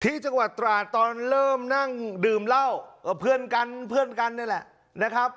ที่จังหวัดตราดตอนเริ่มนั่งดื่มเหล้ากับเพื่อนกันเพื่อนกันนี่แหละนะครับ